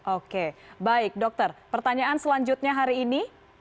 oke baik dokter pertanyaan selanjutnya hari ini